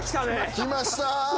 来ました。